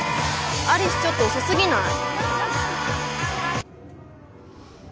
有栖ちょっと遅すぎない？